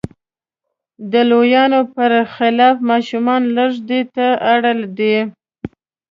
د لویانو پر خلاف ماشومان لږ دې ته اړ دي.